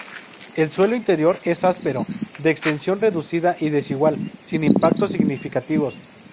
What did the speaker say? El suelo interior es áspero, de extensión reducida y desigual, sin impactos significativos.